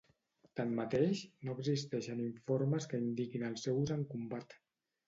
Tanmateix, no existeixen informes que indiquin el seu ús en combat.